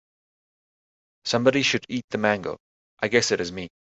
Somebody should eat the mango, I guess it is me.